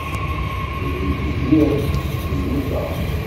Zik, lliɣ ttkeyyifeɣ.